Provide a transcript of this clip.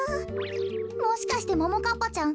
もしかしてももかっぱちゃん